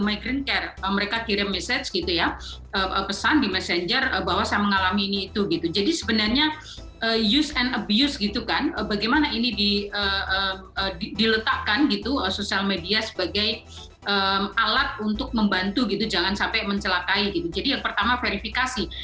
mereka kirim message gitu ya pesan di messenger bahwa saya mengalami ini itu gitu jadi sebenarnya use and abuse gitu kan bagaimana ini diletakkan gitu sosial media sebagai alat untuk membantu gitu jangan sampai mencelakai gitu jadi yang pertama verifikasi